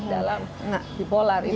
dalam bipolar itu